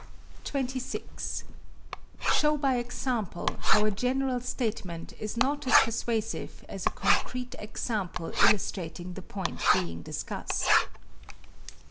26. Show by example how a general statement is not as persuasive as a concrete example illustrating the point being discussed.